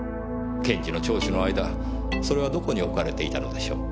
検事の聴取の間それはどこに置かれていたのでしょう？